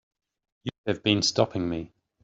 You have been stopping me.